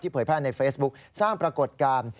เผยแพร่ในเฟซบุ๊คสร้างปรากฏการณ์